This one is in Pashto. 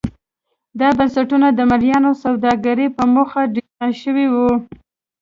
دا بنسټونه د مریانو سوداګرۍ په موخه ډیزاین شوي وو.